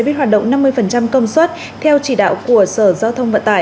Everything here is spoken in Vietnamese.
theo chỉ đạo của sở giao thông vận tải